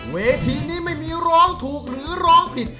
เวทีนี้ไม่มีร้องถูกหรือร้องผิด